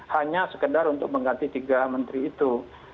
hanya sekedar untuk mengganti tiga menteri itu